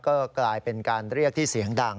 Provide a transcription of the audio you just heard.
ก็กลายเป็นการเรียกที่เสียงดัง